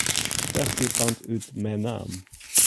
De techgigant út Menaam.